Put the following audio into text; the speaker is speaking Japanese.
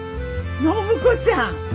暢子ちゃん。